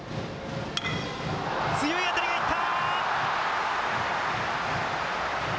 強い当たりがいった。